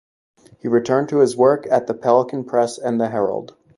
He returned to his work at the Pelican Press and the Herald.